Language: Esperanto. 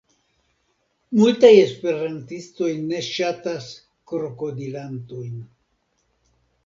Multaj esperantistoj ne ŝatas krokodilantojn.